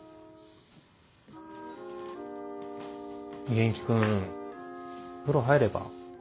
元気君風呂入れば？